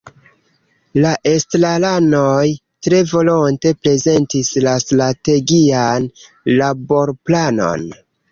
La estraranoj tre volonte prezentis la Strategian Laborplanon.